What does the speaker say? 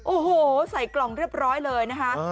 โอ้โหใส่กล่องเรียบร้อยเลยนะคะ